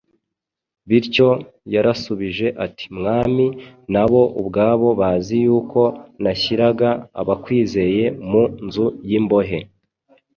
Bityo yarasubije ati, “Mwami, nabo ubwabo bazi yuko nashyiraga abakwizeye mu nzu y’imbohe,